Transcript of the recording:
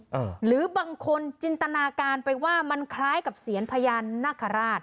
หรือบางคนจินตนาการไปว่ามันคล้ายกับเสียนพญานาคาราช